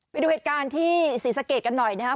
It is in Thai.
ไปดูเหตุการณ์ที่ศรีสะเกดกันหน่อยนะครับ